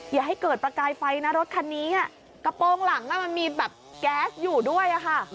อย่าให้เกิดประกายไฟนะรถคันนี้กระโปรงหลังมันมีแบบแก๊สอยู่ด้วยค่ะ